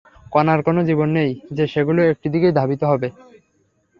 কণার কোনো জীবন নেই যে সেগুলো একটি দিকেই ধাবিত হবে।